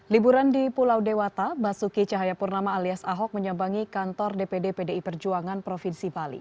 liburan di pulau dewata basuki cahayapurnama alias ahok menyambangi kantor dpd pdi perjuangan provinsi bali